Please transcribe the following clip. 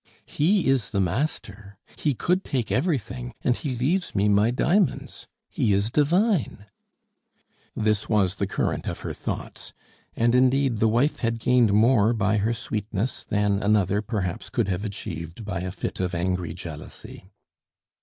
"He is the master; he could take everything, and he leaves me my diamonds; he is divine!" This was the current of her thoughts; and indeed the wife had gained more by her sweetness than another perhaps could have achieved by a fit of angry jealousy.